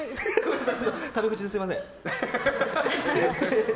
タメ口ですみません。